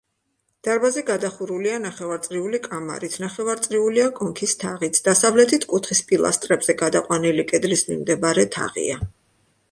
დარბაზი გადახურულია ნახევარწრიული კამარით, ნახევარწრიულია კონქის თაღიც, დასავლეთით კუთხის პილასტრებზე გადაყვანილი კედლის მიმდებარე თაღია.